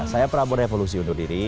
saya prabowo revolusi undur diri